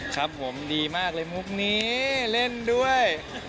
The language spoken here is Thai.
ครับผมดีมากเลยมุกนี้เล่นด้วย